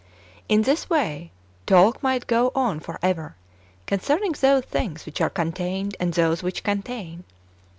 In this way, talk might go on for ever con cernincr those thlno s which are contained, and those which contain.